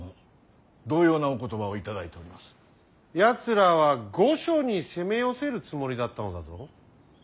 やつらは御所に攻め寄せるつもりだったのだぞ。